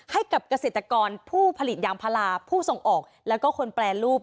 ให้กับเกษตรกรผู้ผลิตยางพาราผู้ส่งออกแล้วก็คนแปรรูป